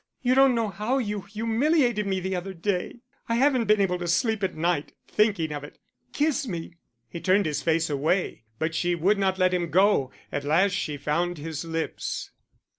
You don't know how you humiliated me the other day. I haven't been able to sleep at night, thinking of it.... Kiss me." He turned his face away, but she would not let him go; at last she found his lips.